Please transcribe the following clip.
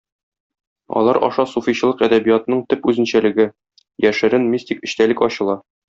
Алар аша суфичылык әдәбиятының төп үзенчәлеге - яшерен мистик эчтәлек ачыла.